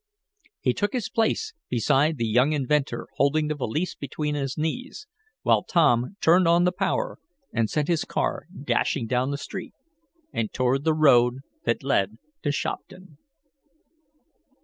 He took his place beside the young inventor, holding the valise between his knees, while Tom turned on the power and sent his car dashing down the street, and toward the road that led to Shopton.